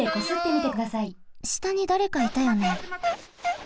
したにだれかいたよね。